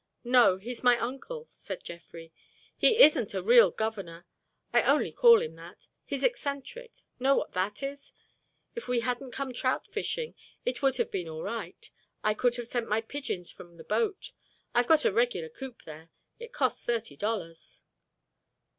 "No, he's my uncle," said Jeffrey. "He isn't a real governor; I only call him that. He's eccentric—know what that is? If we hadn't come trout fishing it would have been all right. I could have sent my pigeons from the boat—I've got a regular coop there—it cost thirty dollars."